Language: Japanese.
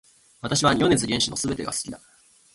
私は米津玄師の全てが好きだ